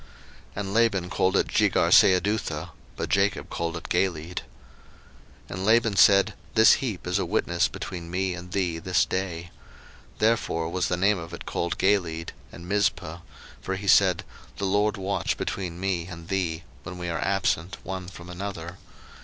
01:031:047 And Laban called it Jegarsahadutha: but Jacob called it Galeed. 01:031:048 And Laban said, This heap is a witness between me and thee this day. Therefore was the name of it called Galeed; 01:031:049 And Mizpah; for he said, The LORD watch between me and thee, when we are absent one from another.